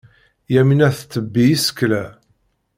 Yamina tettebbi isekla.